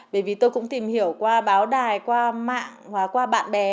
bởi vì tôi cũng tìm hiểu qua báo đài qua mạng và qua bạn bè